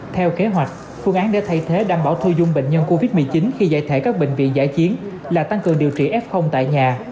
theo kế hoạch phương án để thay thế đảm bảo thu dung bệnh nhân covid một mươi chín khi giải thể các bệnh viện giải chiến là tăng cường điều trị f tại nhà